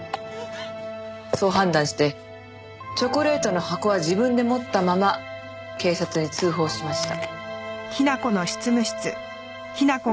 そう判断してチョコレートの箱は自分で持ったまま警察に通報しました。